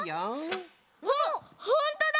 あっほんとだ！